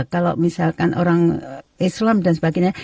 kalau misalkan orang islam dan sebagainya